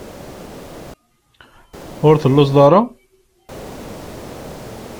Ur telluẓeḍ ara?